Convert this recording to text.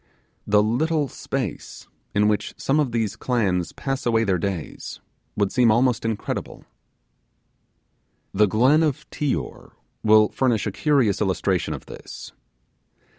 The little space in which some of these clans pass away their days would seem almost incredible. The glen of the Tior will furnish a curious illustration of this.